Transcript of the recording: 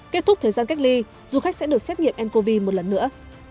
kết thúc thời gian cách ly du khách sẽ được xét nghiệm ncov một lần nữa